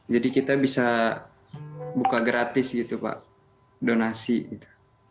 jadi kita bisa buka gratis gitu pak donasi gitu